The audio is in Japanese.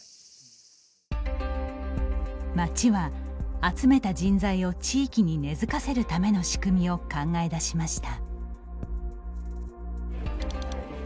町は、集めた人材を地域に根づかせるための仕組みを考え出しました。